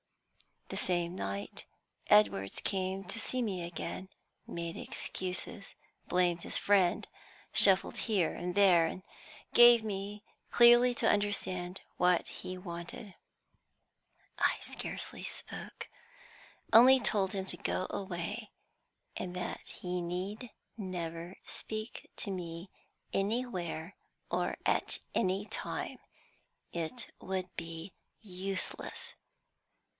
The same night Edwards came to see me again, made excuses, blamed his friend, shuffled here and there, and gave me clearly to understand what he wanted. I scarcely spoke, only told him to go away, and that he need never speak to me anywhere or at any time; it would be useless.